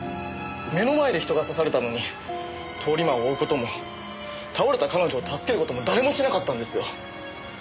目の前で人が刺されたのに通り魔を追う事も倒れた彼女を助ける事も誰もしなかったんですよ。